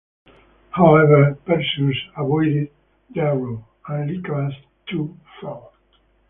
However, Perseus avoided the arrow, and Lycabas, too, fell.